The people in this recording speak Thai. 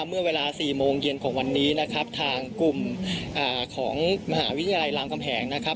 เมื่อเวลาสี่โมงเย็นของวันนี้นะครับทางกลุ่มของมหาวิทยาลัยรามกำแหงนะครับ